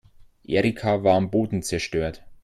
Erika war am Boden zerstört.